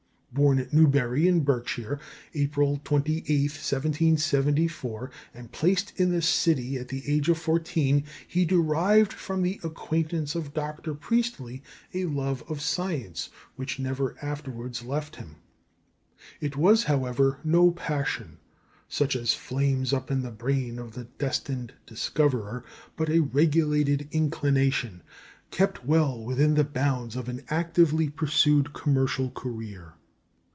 Born at Newbury in Berkshire, April 28, 1774, and placed in the City at the age of fourteen, he derived from the acquaintance of Dr. Priestley a love of science which never afterwards left him. It was, however, no passion such as flames up in the brain of the destined discoverer, but a regulated inclination, kept well within the bounds of an actively pursued commercial career.